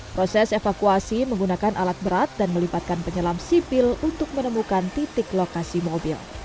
proses evakuasi menggunakan alat berat dan melibatkan penyelam sipil untuk menemukan titik lokasi mobil